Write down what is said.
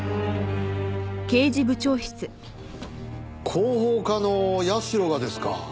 広報課の社がですか？